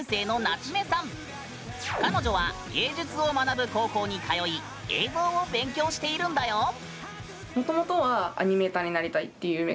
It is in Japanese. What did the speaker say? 彼女は芸術を学ぶ高校に通い映像を勉強しているんだよ！